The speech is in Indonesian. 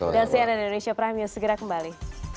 dan siaran indonesia prime news segera kembali